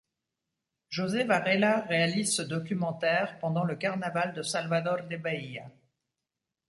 José Varela réalise ce documentaire pendant le carnaval de Salvador de Bahia.